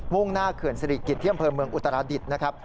ฟุ่งหน้าขื่นสริกิษเที่ยมเผิงเมืองอุตราดิตส์